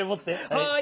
はい！